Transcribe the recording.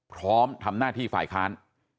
พร้อมทำหน้าที่ฝ่ายค้าน